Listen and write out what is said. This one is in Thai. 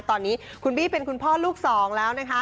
ตอนนี้คุณบี้เป็นคุณพ่อลูกสองแล้วนะคะ